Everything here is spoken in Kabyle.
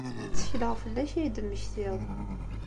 Ttekleɣ fell-ak ad iyi-d-temmektiḍ.